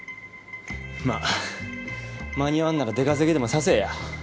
まあ間に合わんなら出稼ぎでもさせぇや。